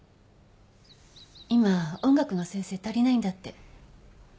今音楽の先生足りないんだって。